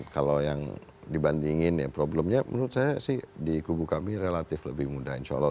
kalau yang dibandingin ya problemnya menurut saya sih di kubu kami relatif lebih mudah insya allah